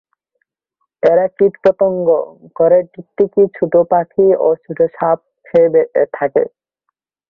এরা কীটপতঙ্গ, ঘরের টিকটিকি ছোট পাখি ও ছোট সাপ খেয়ে থাকে।